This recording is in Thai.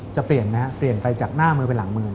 จะเปลี่ยนไหมเปลี่ยนไปจากหน้ามือไปหลังมือ